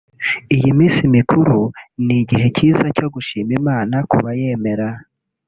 Iyi minsi mikuru ni igihe cyiza cyo gushima Imana ku bayemera